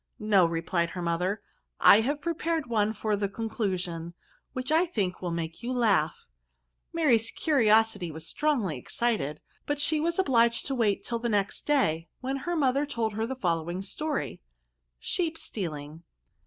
*' No," replied her mother, " I have pre pared one for the conclusion, which I think will make you laugh." Mary's curiosity was strongly excited ; but she was obliged to wait till the next day. VERBS. 273 When her mother told her the following story :— SHEEP STEALING.